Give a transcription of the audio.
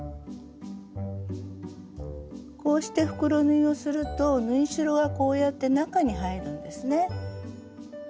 こうして袋縫いをすると縫い代はこうやって中に入るんですね。